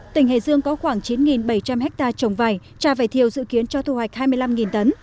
tỉnh hải dương có khoảng chín bảy trăm linh hectare trồng vải trà vải thiêu dự kiến cho thu hoạch hai mươi năm tấn